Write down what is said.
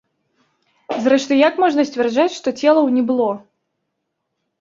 Зрэшты, як можна сцвярджаць, што целаў не было?